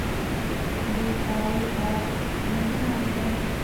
یہ فائل آپ نے بنائی ہے ؟